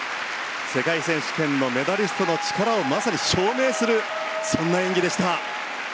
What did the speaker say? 世界選手権のメダリストの力をまさに証明するそんな演技でした。